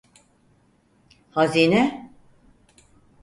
Hazine!